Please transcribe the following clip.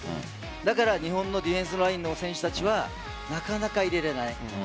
だから日本のディフェンスラインの選手たちはなかなか入れれない。